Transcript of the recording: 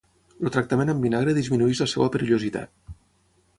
El tractament amb vinagre disminueix la seva perillositat.